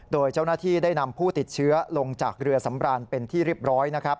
โดยเจ้าหน้าที่ได้นำผู้ติดเชื้อลงจากเรือสำรานเป็นที่เรียบร้อยนะครับ